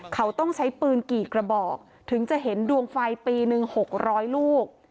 เขาต้องใช้ปืนกี่กระบอกถึงจะเห็นดวงไฟปีหนึ่ง๖๐๐ลูก